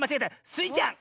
スイちゃん！